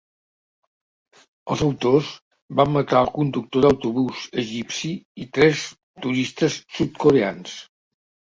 Els autors van matar el conductor d'autobús egipci i tres turistes sud-coreans.